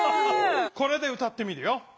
これで歌ってみるよ。